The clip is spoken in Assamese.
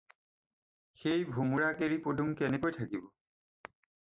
সেই ভোমোৰাক এৰি পদুম কেনেকৈ থাকিব?